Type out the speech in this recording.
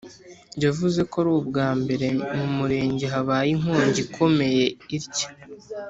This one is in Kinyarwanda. yavuze ko ari ubwa mbere mu murenge habaye inkongi ikomeye itya